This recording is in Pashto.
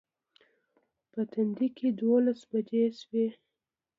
په تندي کې دولس بجې شوې.